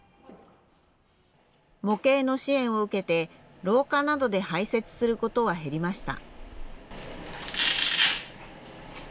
模型の支援を受けて、廊下などで排せつすることは減りました。